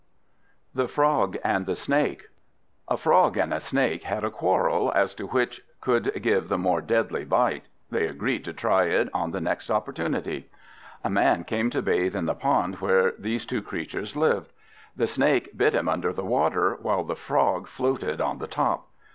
The Frog and the Snake A FROG and a Snake had a quarrel as to which could give the more deadly bite. They agreed to try it on the next opportunity. A Man came to bathe in the pond where these two creatures lived. The Snake bit him under the water, while the Frog floated on the top.